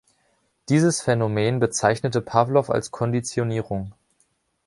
Dieses Phänomen bezeichnete Pawlow als Konditionierung.